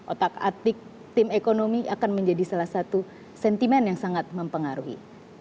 otak atik tim ekonomi akan menjadi salah satu sentimen yang sangat mempengaruhi